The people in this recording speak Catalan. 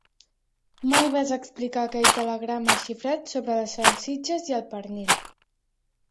Mai vas explicar aquell telegrama xifrat sobre les salsitxes i el pernil.